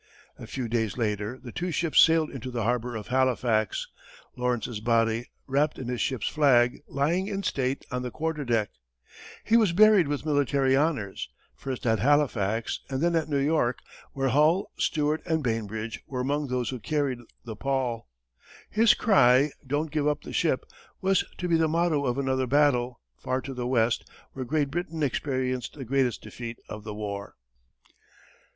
A few days later, the two ships sailed into the harbor of Halifax, Lawrence's body, wrapped in his ship's flag, lying in state on the quarter deck. He was buried with military honors, first at Halifax, and then at New York, where Hull, Stewart and Bainbridge were among those who carried the pall. His cry, "Don't give up the ship!" was to be the motto of another battle, far to the west, where Great Britain experienced the greatest defeat of the war.